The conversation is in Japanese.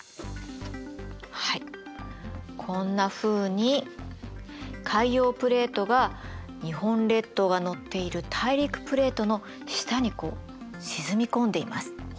はいこんなふうに海洋プレートが日本列島がのっている大陸プレートの下にこう沈み込んでいます。